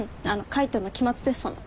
海斗の期末テストの。